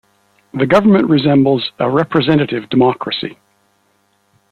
The government resembles a representative democracy.